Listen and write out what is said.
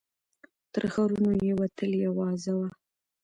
تر ښارونو یې وتلې آوازه وه